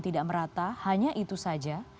tidak merata hanya itu saja